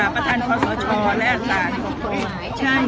ประธานพศและอาจารย์